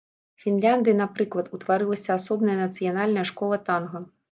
Фінляндыі, напрыклад, утварылася асобная нацыянальная школа танга.